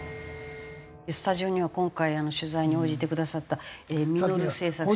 スタジオには今回取材に応じてくださったミノル製作所の。